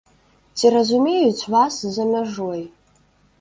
Ці разумеюць вас за мяжой?